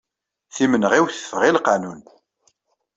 Timenɣiwt teffeɣ i lqanun.